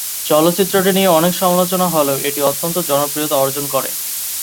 চলচ্চিত্রটি নিয়ে অনেক সমালোচনা হলেও এটি অত্যন্ত জনপ্রিয়তা অর্জন করে।